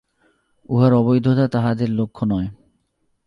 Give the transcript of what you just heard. উহার অবৈধতা তাঁহাদের লক্ষ্য নয়।